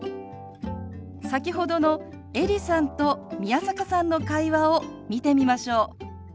先ほどのエリさんと宮坂さんの会話を見てみましょう。